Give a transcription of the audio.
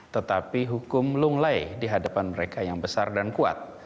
tetapi hukum lunglai di hadapan mereka yang besar dan kuat